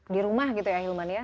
di rumah gitu ya hilman ya